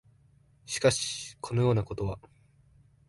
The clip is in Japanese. しかし、このようなことは、